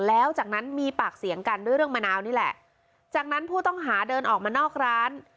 แล้วจากนั้นมีปากเสียงกันด้วยเรื่องมะนาวนี่แหละจากนั้นผู้ต้องหาเดินออกมานอกร้าน